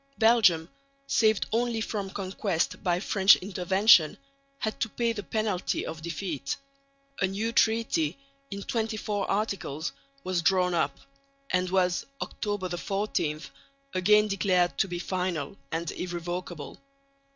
Belgium, saved only from conquest by French intervention, had to pay the penalty of defeat. A new treaty in XXIV Articles was drawn up, and was (October 14) again declared to be final and irrevocable.